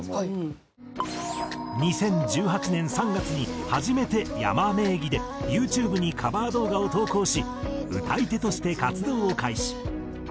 ２０１８年３月に初めてｙａｍａ名義でユーチューブにカバー動画を投稿し歌い手として活動を開始。